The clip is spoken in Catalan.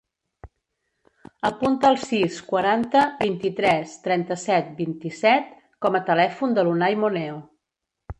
Apunta el sis, quaranta, vint-i-tres, trenta-set, vint-i-set com a telèfon de l'Unay Moneo.